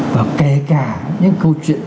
và kể cả những câu chuyện